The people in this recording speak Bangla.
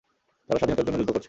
তারা স্বাধীনতার জন্য যুদ্ধ করছে।